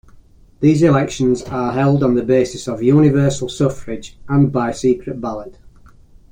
These elections are held on the basis of universal suffrage, and by secret ballot.